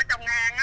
ở trong hang